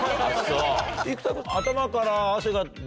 生田君。